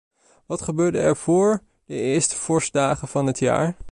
Wat gebeurde er vóór de eerste vorstdagen van het jaar?